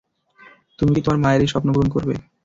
তুমি কি তোমার মায়ের এই স্বপ্ন পূরণ করবে?